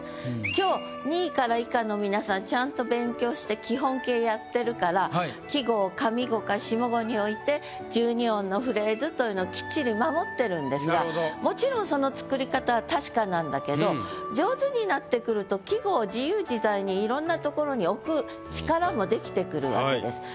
今日２位から以下の皆さんちゃんと勉強して基本形やってるから季語を上五か下五に置いて１２音のフレーズというのをきっちり守ってるんですがもちろんその作り方は確かなんだけど上手になってくると季語を自由自在にいろんな所に置く力もできてくるわけです。